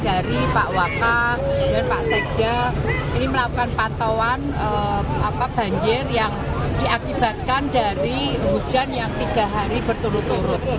dari pak waka kemudian pak sekda ini melakukan pantauan banjir yang diakibatkan dari hujan yang tiga hari berturut turut